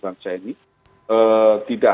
bangsa ini tidak